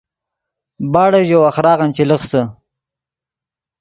باڑے ژے وَخۡراغن چے لخسے